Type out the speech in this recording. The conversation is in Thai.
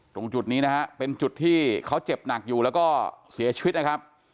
ตรงจุดนี้นะฮะเป็นจุดที่เขาเจ็บหนักอยู่แล้วก็เสียชีวิตนะครับ